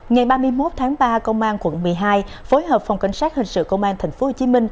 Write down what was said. ngày ba mươi một tháng ba công an quận một mươi hai phối hợp phòng cảnh sát hình sự công an tp hcm